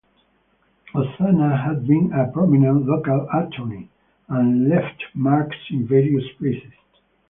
Ossanna had been a prominent local attorney, and left marks in various places.